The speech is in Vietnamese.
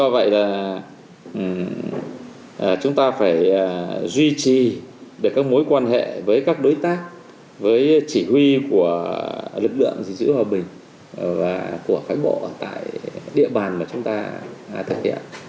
vậy là chúng ta phải duy trì được các mối quan hệ với các đối tác với chỉ huy của lực lượng gìn giữ hòa bình và của phái bộ tại địa bàn mà chúng ta thực hiện